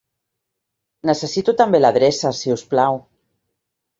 Necessito també l'adreça, si us plau.